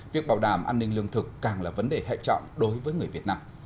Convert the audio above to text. việc bảo đảm an ninh lương thực càng là vấn đề hệ trọng đối với người việt nam